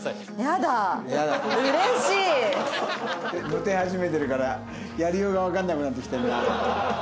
モテ始めてるからやりようがわからなくなってきてるな。